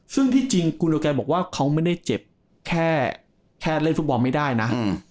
ซึ่งที่จริงกุโลแกนบอกว่าเขาไม่ได้เจ็บแค่เล่นฟุตบอลไม่ได้นะ